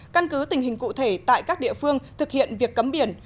căn cứ tình hình cụ thể tại các địa phương thực hiện việc cấm biển